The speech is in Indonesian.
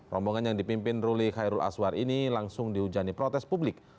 rombongan yang dipimpin ruli khairul aswar ini langsung dihujani protes publik